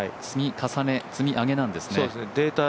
積み重ね、積み上げなんですね。